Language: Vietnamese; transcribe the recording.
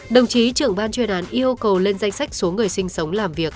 đồng chí trưởng ban chuyên án yêu cầu lên danh sách số người sinh sống làm việc